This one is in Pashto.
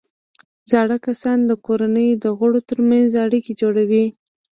زاړه کسان د کورنۍ د غړو ترمنځ اړیکې جوړوي